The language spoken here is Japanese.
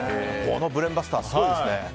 ブレーンバスターすごいですね。